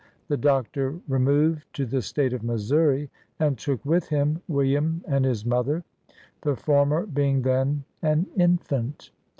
The Doctor removed to the State of Missouri, and took with him William and his mother, the former being then an infant.